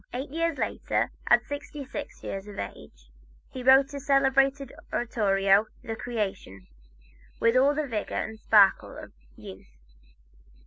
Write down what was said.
Eight years later, at sixty six years of age, he wrote his celebrated oratorio "The Creation," with all the vigor and sparkle of youth.